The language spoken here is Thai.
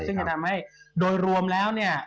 ซึ่งจะทำให้โดยรวมแล้วเนี่ย